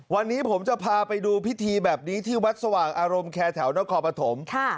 วันนี้ผมจะพาไปดูพิธีแบบนี้ที่วัดสว่างอารมณ์แคร์แถวนครปฐม